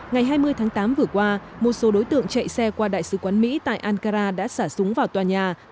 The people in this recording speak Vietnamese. ngày hai mươi tháng tám vừa qua một số đối tượng chạy xe qua đại sứ quán mỹ tại ankara đã xả súng vào tòa nhà